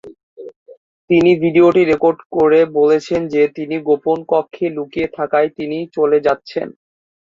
তিনি ভিডিওটি রেকর্ড করে বলেছেন যে তিনি গোপন কক্ষে লুকিয়ে থাকায় তিনি চলে যাচ্ছেন।